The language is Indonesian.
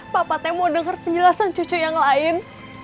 papa teh mau denger penjelasan cucu yang lain